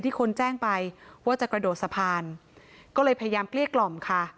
คนแจ้งไปว่าจะกระโดดสะพานก็เลยพยายามเกลี้ยกล่อมค่ะ